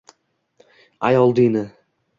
Ayol dini